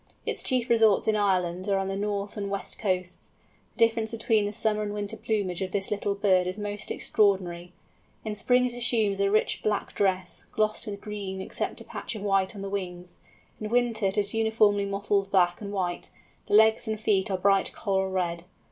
Its chief resorts in Ireland are on the north and west coasts. The difference between the summer and winter plumage of this little bird is most extraordinary. In spring it assumes a rich black dress, glossed with green, except a patch of white on the wings; in winter it is uniformly mottled black and white; the legs and feet are bright coral red.